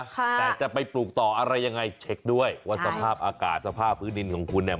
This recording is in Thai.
แต่จะไปปลูกต่ออะไรยังไงเช็คด้วยว่าสภาพอากาศสภาพพื้นดินของคุณเนี่ย